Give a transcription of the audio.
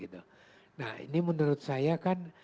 nah ini menurut saya kan